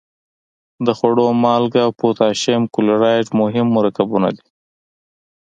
د خوړو مالګه او پوتاشیم کلورایډ مهم مرکبونه دي.